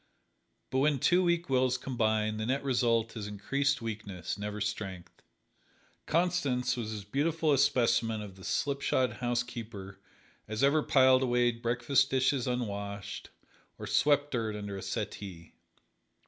But when two weak wills combine, the net result is increased weakness never strength. Constance was as beautiful a specimen of the slipshod housekeeper as ever piled away breakfast dishes unwashed, or swept dirt under a settee.